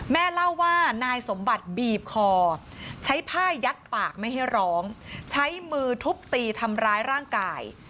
แม่เล่าว่านายสมบัติบีบคอใช้ผ้ายัดปากไม่ให้ร้องใช้มือทุบตีทำร้ายร่างกาย